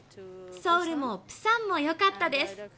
ソウルもプサンもよかったです。